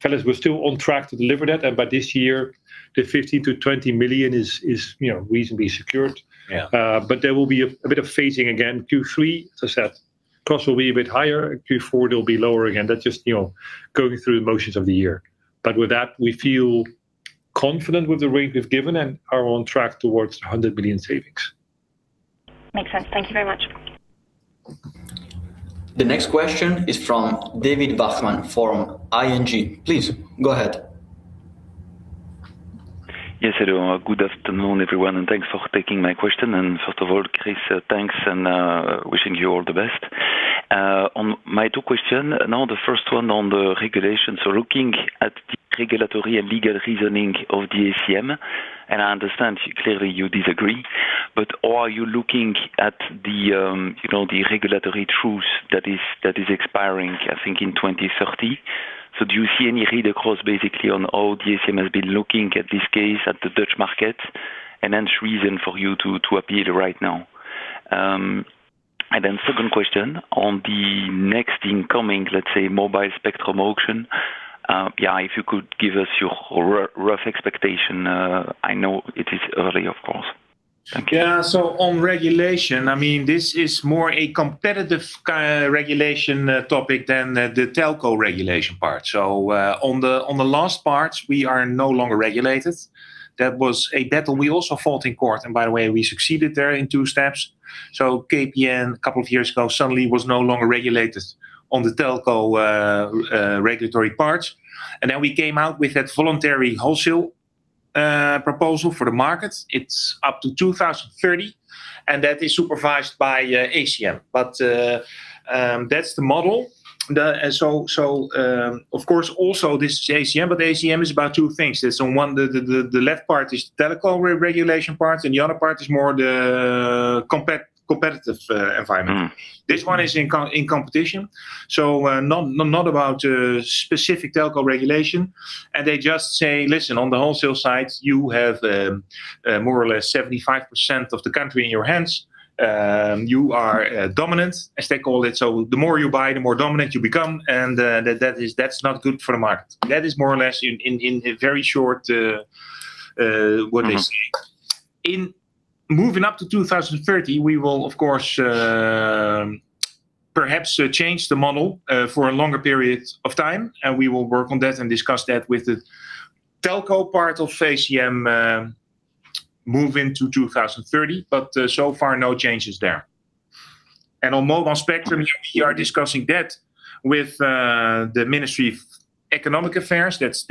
tell us we're still on track to deliver that. By this year, the 15 million-20 million is reasonably secured. Yeah. There will be a bit of phasing again. Q3, as I said, cost will be a bit higher. Q4, it'll be lower again. That's just going through the motions of the year. With that, we feel confident with the rate we've given and are on track towards the 100 million savings. Makes sense. Thank you very much. The next question is from David Vagman from ING. Please go ahead. Hello. Good afternoon, everyone, thanks for taking my question. First of all, Chris, thanks and wishing you all the best. On my two questions, the first one on the regulation. Looking at the regulatory and legal reasoning of the ACM, I understand clearly you disagree, are you looking at the regulatory truth that is expiring, I think, in 2030? Do you see any read-across basically on how the ACM has been looking at this case, at the Dutch market, and hence reason for you to appear right now? Second question on the next incoming, let's say mobile spectrum auction. If you could give us your rough expectation. I know it is early, of course. Thank you. On regulation, this is more a competitive regulation topic than the telco regulation part. On the last part, we are no longer regulated. That was a battle we also fought in court. By the way, we succeeded there in two steps. KPN, a couple of years ago, suddenly was no longer regulated on the telco regulatory parts. We came out with that voluntary wholesale proposal for the markets. It's up to 2030, and that is supervised by ACM. That's the model. Of course, also this ACM is about two things. The left part is telco regulation part, and the other part is more the competitive environment. This one is in competition, so not about specific telco regulation. They just say, "Listen, on the wholesale side, you have more or less 75% of the country in your hands. You are dominant," as they call it. The more you buy, the more dominant you become, and that's not good for the market. That is more or less in a very short what they say. In moving up to 2030, we will, of course, perhaps change the model for a longer period of time, and we will work on that and discuss that with the telco part of ACM move into 2030. So far, no changes there. On mobile spectrum, we are discussing that with the Ministry of Economic Affairs. That's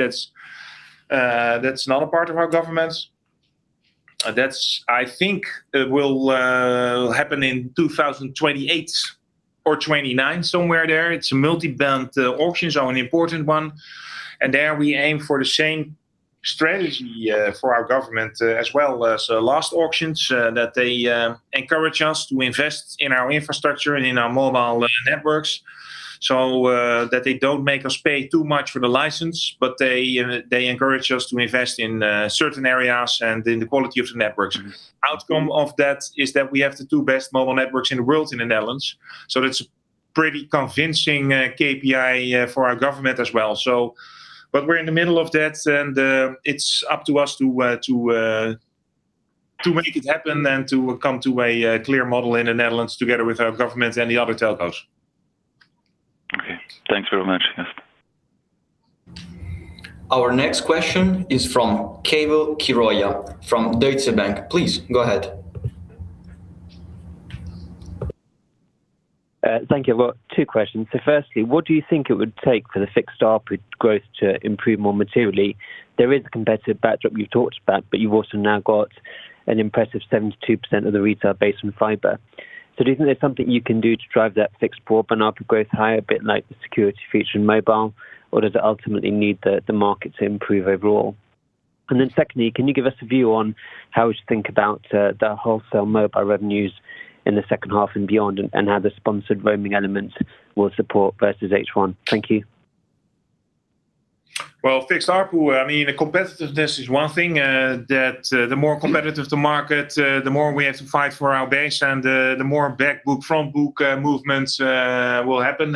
not a part of our government. That, I think, will happen in 2028 or 2029, somewhere there. Multi-band auctions are an important one. There we aim for the same strategy for our government as well as last auctions, that they encourage us to invest in our infrastructure and in our mobile networks, so that they don't make us pay too much for the license, but they encourage us to invest in certain areas and in the quality of the networks. Outcome of that is that we have the two best mobile networks in the world in the Netherlands. That's pretty convincing KPI for our government as well. We're in the middle of that, and it's up to us to make it happen and to come to a clear model in the Netherlands together with our government and the other telcos. Okay. Thanks very much. Yes. Our next question is from Keval Khiroya from Deutsche Bank. Please go ahead. Thank you. Well, two questions. Firstly, what do you think it would take for the fixed ARPU growth to improve more materially? There is a competitive backdrop you've talked about, but you've also now got an impressive 72% of the retail base on fiber. Do you think there's something you can do to drive that fixed core ARPU growth higher, a bit like the security feature in mobile, or does it ultimately need the market to improve overall? Secondly, can you give us a view on how we should think about the wholesale mobile revenues in the second half and beyond, and how the sponsored roaming elements will support versus H1? Thank you. Well, fixed ARPU, the competitiveness is one thing. That the more competitive the market, the more we have to fight for our base, and the more back book, front book movements will happen.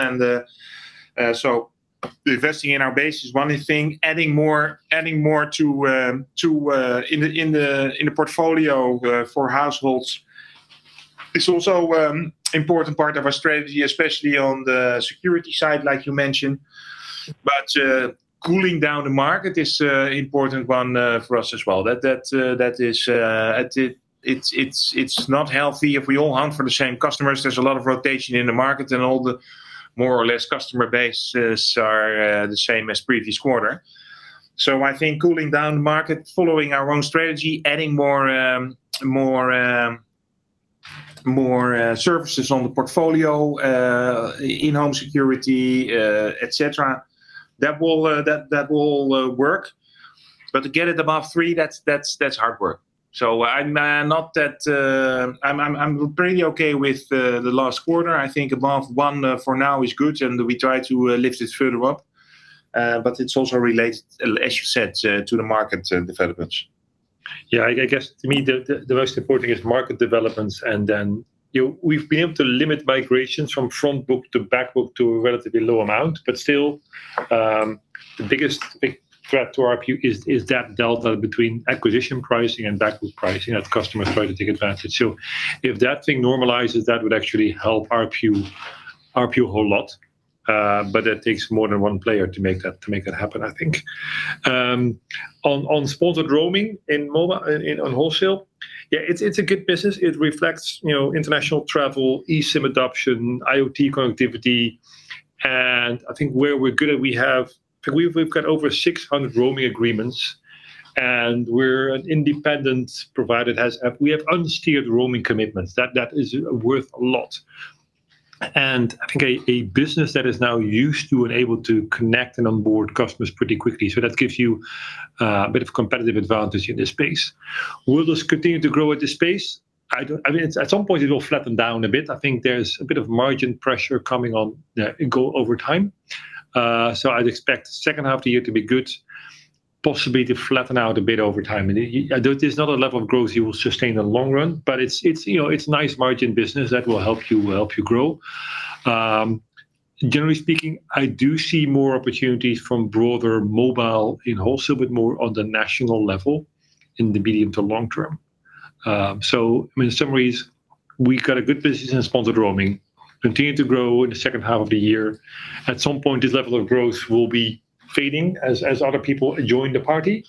Investing in our base is one thing. Adding more in the portfolio for households is also important part of our strategy, especially on the security side, like you mentioned. Cooling down the market is important one for us as well. That it's not healthy if we all hunt for the same customers. There's a lot of rotation in the market, and all the more or less customer bases are the same as previous quarter. I think cooling down the market, following our own strategy, adding more services on the portfolio, in-home security, et cetera, that will work. To get it above three, that's hard work. I'm pretty okay with the last quarter. I think above one for now is good, and we try to lift it further up. It also relates, as you said, to the market developments. Yeah, I guess to me, the most important thing is market developments, we've been able to limit migrations from front book to back book to a relatively low amount. Still, the biggest big threat to ARPU is that delta between acquisition pricing and back book pricing as customers try to take advantage. If that thing normalizes, that would actually help ARPU a whole lot. That takes more than one player to make that happen, I think. On sponsored roaming in mobile and on wholesale, yeah, it's a good business. It reflects international travel, eSIM adoption, IoT connectivity, and I think where we're good at, we've got over 600 roaming agreements, and we're an independent provider. We have unsteered roaming commitments. That is worth a lot. I think a business that is now used to and able to connect and onboard customers pretty quickly. That gives you a bit of competitive advantage in this space. Will this continue to grow at this pace? At some point, it will flatten down a bit. I think there's a bit of margin pressure coming on over time. I'd expect the second half of the year to be good, possibly to flatten out a bit over time. It is not a level of growth you will sustain in the long run, but it's nice margin business that will help you grow. Generally speaking, I do see more opportunities from broader mobile in wholesale, but more on the national level in the medium to long term. In some ways, we've got a good business in sponsored roaming. Continue to grow in the second half of the year. At some point, this level of growth will be fading as other people join the party.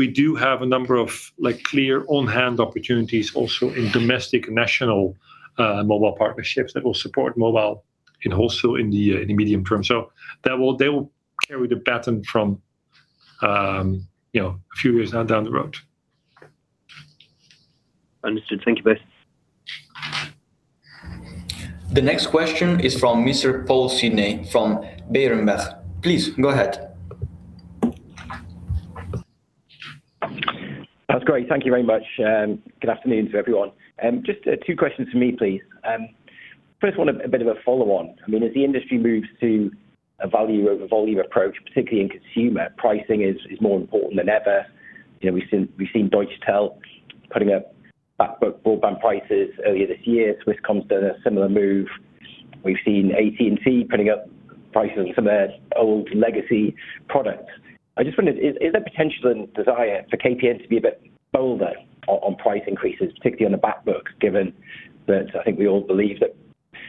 We do have a number of clear on-hand opportunities also in domestic national mobile partnerships that will support mobile in wholesale in the medium term. They will carry the baton from a few years down the road. Understood. Thank you both. The next question is from Mr. Paul Sidney from Berenberg. Please go ahead. That's great. Thank you very much. Good afternoon to everyone. Just two questions from me, please. First one, a bit of a follow-on. As the industry moves to a value over volume approach, particularly in consumer, pricing is more important than ever. We've seen Deutsche Telekom putting up back book broadband prices earlier this year. Swisscom's done a similar move. We've seen AT&T putting up prices on some of their old legacy products. I just wonder, is there potential and desire for KPN to be a bit bolder on price increases, particularly on the back books, given that I think we all believe that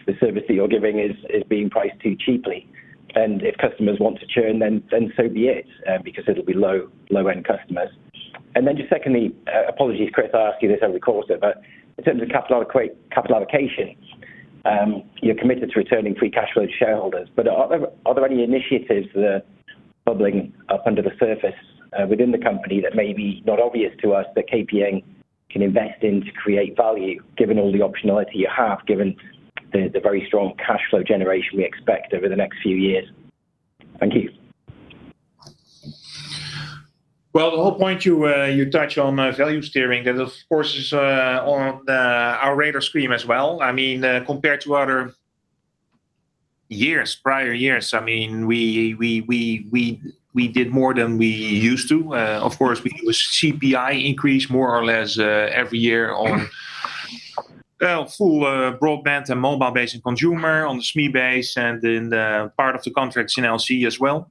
the service that you're giving is being priced too cheaply, and if customers want to churn, then so be it, because it'll be low-end customers. Just secondly, apologies, Chris, I ask you this every quarter, but in terms of capital allocation, you're committed to returning free cash flow to shareholders, but are there any initiatives that are bubbling up under the surface within the company that may be not obvious to us that KPN can invest in to create value, given all the optionality you have, given the very strong cash flow generation we expect over the next few years? Thank you. The whole point you touch on value steering. That of course, is on our radar screen as well. Compared to other years, prior years, we did more than we used to. We use CPI increase more or less every year on full broadband and mobile-based consumer on the SME base and in the part of the contracts in CLA as well.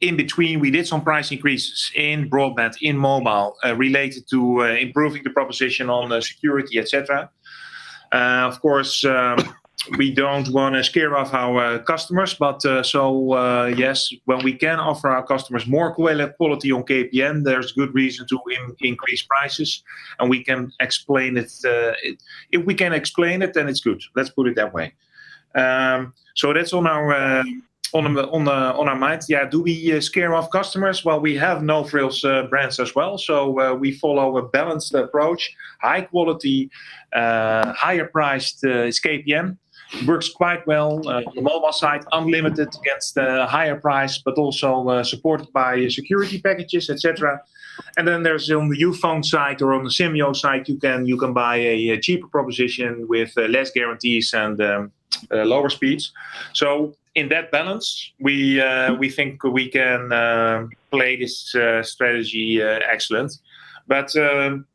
In between, we did some price increases in broadband, in mobile related to improving the proposition on security, et cetera. We don't want to scare off our customers, but so yes, when we can offer our customers more quality on KPN, there's good reason to increase prices, and if we can explain it, then it's good. Let's put it that way. That's on our minds. Do we scare off customers? We have no-frills brands as well, so we follow a balanced approach, high quality, higher priced is KPN. Works quite well. The mobile side, unlimited gets the higher price, but also supported by security packages, et cetera. There's on the Youfone side or on the Simyo side, you can buy a cheaper proposition with less guarantees and lower speeds. In that balance, we think we can play this strategy excellent.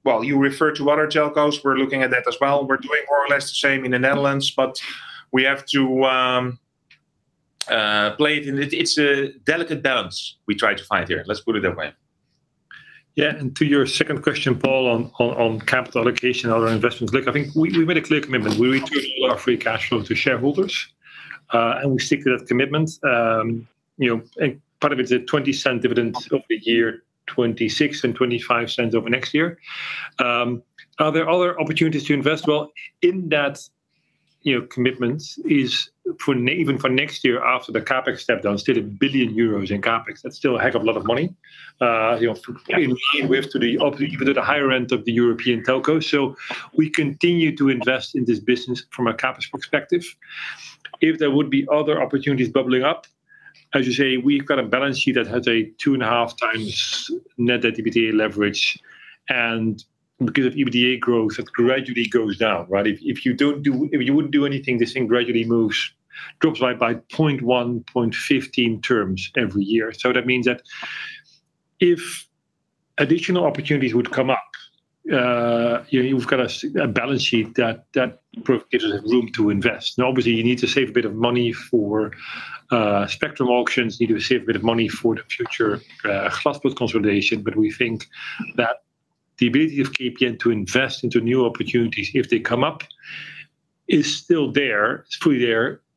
You refer to other telcos. We're looking at that as well. We're doing more or less the same in the Netherlands, but we have to play it in. It's a delicate balance we try to find here. Let's put it that way. To your second question, Paul, on capital allocation and other investments, look, I think we made a clear commitment. We return all our free cash flow to shareholders. We stick to that commitment. Part of it is a 0.20 dividend over year 2026 and 0.25 over next year. Are there other opportunities to invest? In that commitment is even for next year after the CapEx step down, still 1 billion euros in CapEx. That's still a heck of a lot of money. In line with even at the higher end of the European telcos. We continue to invest in this business from a CapEx perspective. If there would be other opportunities bubbling up, as you say, we've got a balance sheet that has a 2.5x net debt-EBITDA leverage, and because of EBITDA growth, it gradually goes down. If you wouldn't do anything, this thing gradually moves, drops by 0.1x, 0.15x terms every year. That means that if additional opportunities would come up, you've got a balance sheet that gives us room to invest. Obviously, you need to save a bit of money for spectrum auctions, you need to save a bit of money for the future glasvezel consolidation. We think that the ability of KPN to invest into new opportunities if they come up is still there,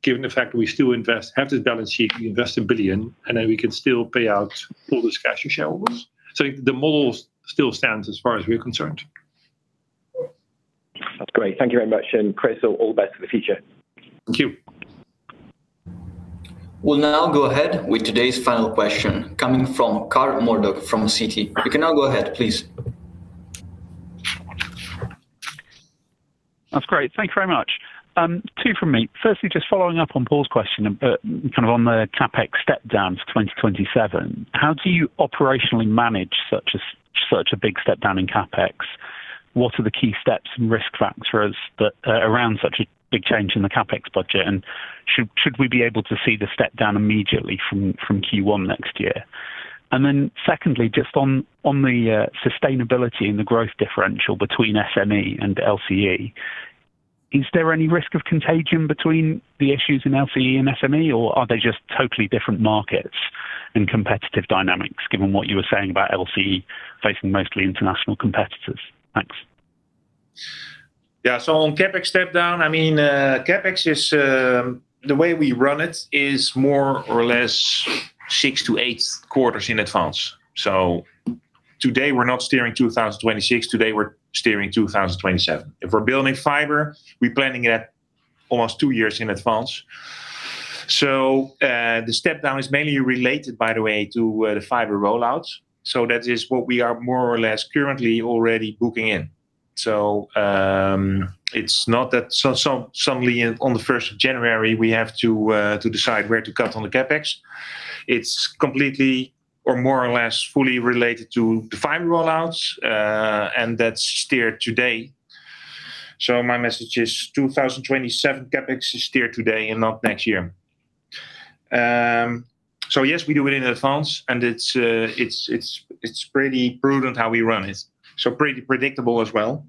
given the fact that we still have the balance sheet, we invest 1 billion, and then we can still pay out all this cash to shareholders. The model still stands as far as we're concerned. That's great. Thank you very much. Chris, all the best for the future. Thank you. We'll now go ahead with today's final question coming from Carl Murdock from Citi. You can now go ahead, please. That's great. Thank you very much. Two from me. Firstly, just following up on Paul's question, but kind of on the CapEx step downs 2027, how do you operationally manage such a big step down in CapEx? What are the key steps and risk factors around such a big change in the CapEx budget? Should we be able to see the step down immediately from Q1 next year? Secondly, just on the sustainability and the growth differential between SME and LCE, is there any risk of contagion between the issues in LCE and SME, or are they just totally different markets and competitive dynamics, given what you were saying about LCE facing mostly international competitors? Thanks. On CapEx step down, CapEx, the way we run it, is more or less six to eight quarters in advance. Today we're not steering 2026. Today, we're steering 2027. If we're building fiber, we're planning it almost two years in advance. That is what we are more or less currently already booking in. It's not that suddenly on the 1st of January, we have to decide where to cut on the CapEx. It's completely or more or less fully related to the fiber rollouts. That's steered today. My message is 2027 CapEx is steered today and not next year. Yes, we do it in advance and it's pretty prudent how we run it. Pretty predictable as well.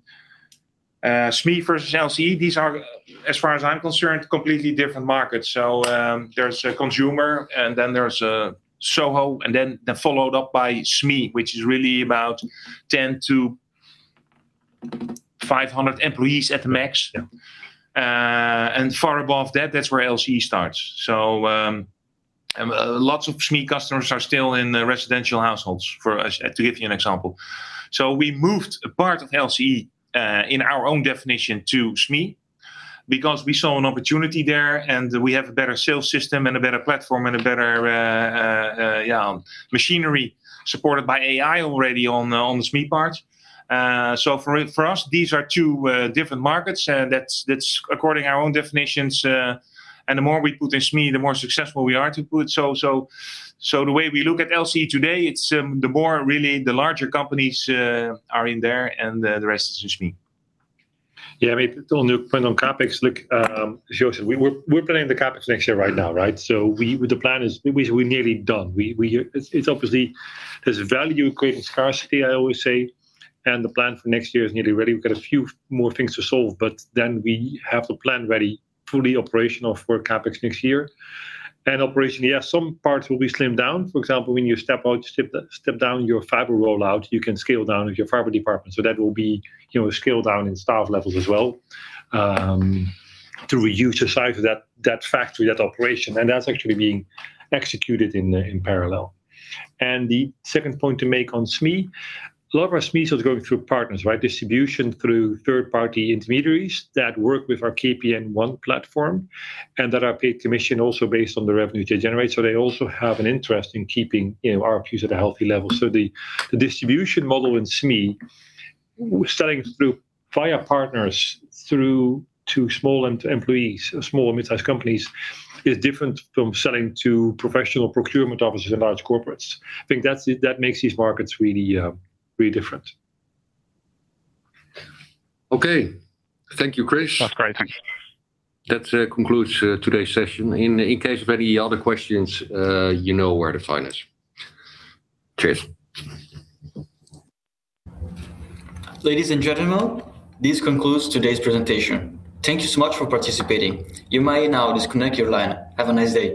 SME versus LCE, these are, as far as I'm concerned, completely different markets. There's a consumer and then there's a SOHO, and then followed up by SME, which is really about 10-500 employees at the max. Far above that's where LCE starts. Lots of SME customers are still in the residential households, to give you an example. We moved a part of LCE, in our own definition, to SME because we saw an opportunity there and we have a better sales system and a better platform and a better machinery supported by AI already on the SME part. For us, these are two different markets. That's according our own definitions. The more we put in SME, the more successful we are to put. The way we look at LCE today, the more really the larger companies are in there, and the rest is just SME. Yeah, I mean, on your point on CapEx, look, Joost, we're planning the CapEx next year right now, right? The plan is we're nearly done. Obviously, there's value creating scarcity, I always say, the plan for next year is nearly ready. We've got a few more things to solve, then we have the plan ready, fully operational for CapEx next year. Operationally, some parts will be slimmed down. For example, when you step down your fiber rollout, you can scale down your fiber department. That will be scaled down in staff levels as well, to re-utilize that factory, that operation. That's actually being executed in parallel. The second point to make on SME, a lot of our SMEs are going through partners, right? Distribution through third-party intermediaries that work with our KPN ÉÉN platform, and that are paid commission also based on the revenue they generate. They also have an interest in keeping our queues at a healthy level. The distribution model in SME, selling via partners to small employees, small and midsize companies, is different from selling to professional procurement officers in large corporates. I think that makes these markets really different. Okay. Thank you, Chris. That's great. Thank you. That concludes today's session. In case of any other questions, you know where to find us. Cheers. Ladies and gentlemen, this concludes today's presentation. Thank you so much for participating. You may now disconnect your line. Have a nice day.